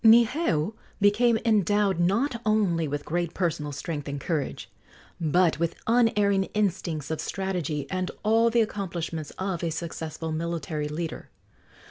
Niheu became endowed not only with great personal strength and courage, but with unerring instincts of strategy and all the accomplishments of a successful military leader.